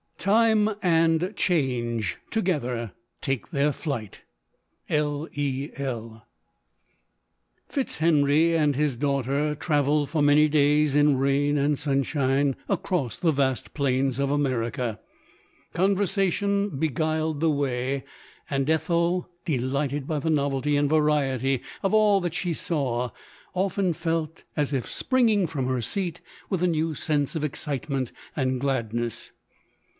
Time and Change tog ether take their flight. L. E. L. Fitzheney and his daughter travelled for many days in rain and sunshine, across the vast plains of America. Conversation beguiled the way, and Ethel, delighted by the novelty and variety of all she saw, often felt as if springing from her seat with a new sense of ex citement and gladness.